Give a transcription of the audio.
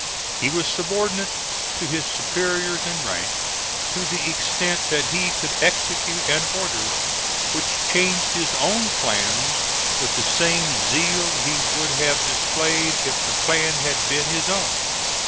He was subordinate to his superiors in rank to the extent that he could execute an order which changed his own plans with the same zeal he would have displayed if the plan had been his own.